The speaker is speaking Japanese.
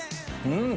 うん！